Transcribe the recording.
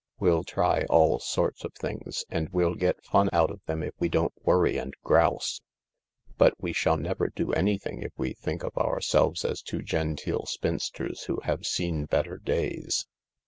We'll try all sorts of things, and we'll get fun out of them if we don't worry and grouse, But we shall never do anything if we think of ourselves as two genteel spinsters who have seen better days.